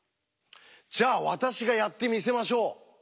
じゃあ私がやってみせましょう。